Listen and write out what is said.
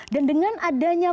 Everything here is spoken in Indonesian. dan dengan adanya